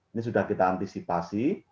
ini sudah kita antisipasi